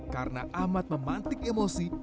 karena amat memantik emosi